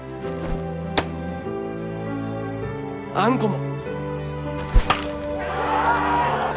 あんこも。